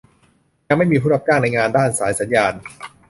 ยังไม่มีผู้รับจ้างในงานด้านสายสัญญาณ